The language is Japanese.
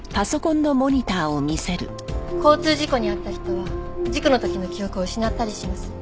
交通事故に遭った人は事故の時の記憶を失ったりします。